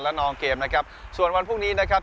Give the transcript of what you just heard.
และนองเกมนะครับส่วนวันพรุ่งนี้นะครับ